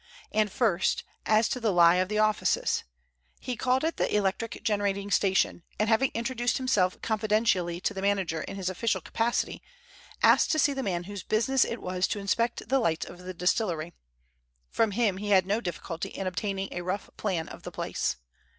And first, as to the lie of the offices. He called at the Electric Generating Station, and having introduced himself confidentially to the manager in his official capacity, asked to see the man whose business it was to inspect the lights of the distillery. From him he had no difficulty in obtaining a rough plan of the place.